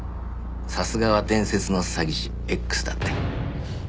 さすがは伝説の詐欺師Ｘだって。